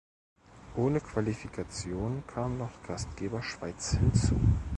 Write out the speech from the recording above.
Ohne Qualifikation kam noch Gastgeber Schweiz hinzu.